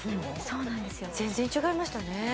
そうなんですよ全然違いましたね